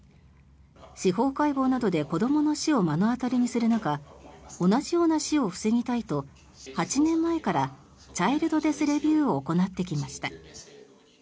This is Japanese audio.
司法解剖などで子どもの死を目の当たりにする中同じような死を防ぎたいと８年前からチャイルド・デス・レビューを行ってきました。